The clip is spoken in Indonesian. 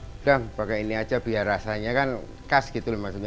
udah pakai ini aja biar rasanya kan khas gitu loh maksudnya